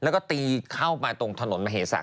แล้วก็ตีเข้ามาตรงถนนมหิตรศักดิ์